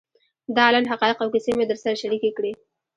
دا لنډ حقایق او کیسې مې در سره شریکې کړې.